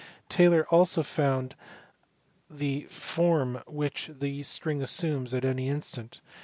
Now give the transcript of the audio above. Taylor also found the form which the string assumes at any instant.